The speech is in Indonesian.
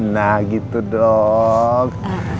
nah gitu dong